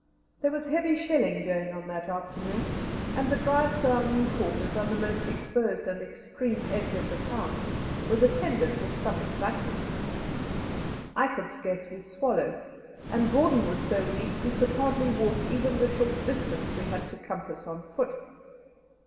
There was heavy shelling going on that afternoon, and the drive to our new quarters, on the most exposed and extreme edge of the town, was attended with some excitement. I could scarcely swallow, and Gordon was so weak he could hardly walk even the short distance we had to compass on foot.